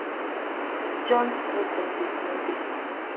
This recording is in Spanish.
Johns, respectivamente.